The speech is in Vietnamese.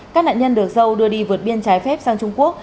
các nạn nhân được dâu đưa đi vượt biên trái phép sang trung quốc